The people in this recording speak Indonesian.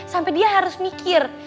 sampai dia harus mikir